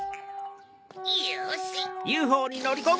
よし！